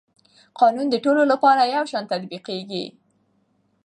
قانون د ټولو لپاره یو شان تطبیقېږي.